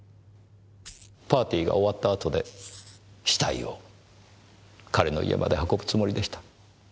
パーティーが終わった後で死体を彼の家まで運ぶつもりでした？